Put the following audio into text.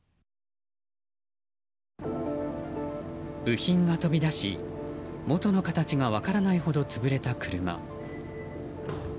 部品が飛び出し元の形が分からないほど潰れた車。